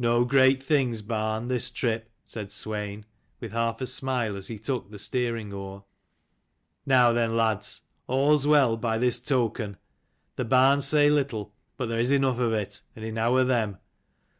"No great things, barn, this trip," said Swein, with half a smile, as he took the steering oar. " Now then, lads, all's well, by this token. The barns say little, but there is enough of it, and enow of them.